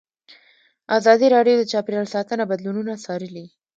ازادي راډیو د چاپیریال ساتنه بدلونونه څارلي.